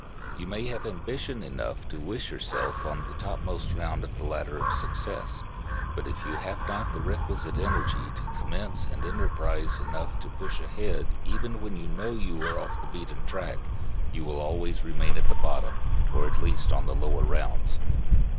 You may have ambition enough to wish yourself on the topmost round of the ladder of success; but if you have not the requisite energy to commence and enterprise enough to push ahead even when you know you are off the beaten track, you will always remain at the bottom, or at least on the lower rounds.